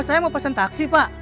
saya mau pesen taksi pak